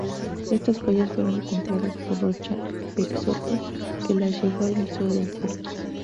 Estas joyas fueron compradas por Rocha Peixoto, que las llevó al Museo de Oporto.